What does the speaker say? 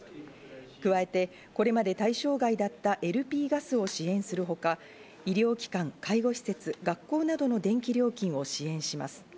加えて、これまで対象外だったＬＰガスを支援するほか、医療機関、介護施設、学校などの電気料金を支援します。